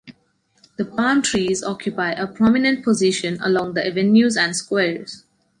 The palm trees occupy a prominent position along the avenues and squares.